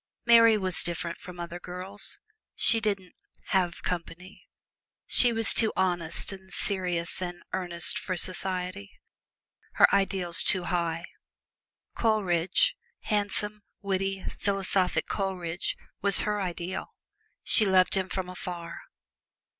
Mary was different from other girls: she didn't "have company," she was too honest and serious and earnest for society her ideals too high. Coleridge handsome, witty, philosophic Coleridge was her ideal. She loved him from afar.